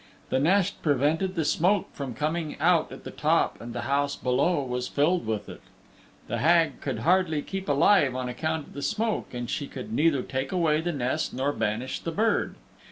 The nest prevented the smoke from coming out at the top and the house below was filled with it. The Hag could hardly keep alive on account of the smoke and she could neither take away the nest nor banish the bird.